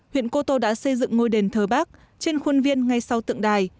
huyện cô tô đã xây dựng ngôi đền thờ bắc trên khuôn viên ngay sau tượng đài